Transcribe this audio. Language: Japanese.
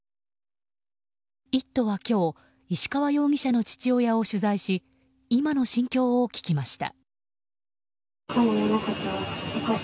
「イット！」は今日石川容疑者の父親を取材し今の心境を聞きました。